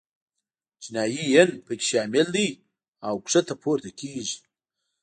چینایي ین په کې شامل دي او ښکته پورته کېږي.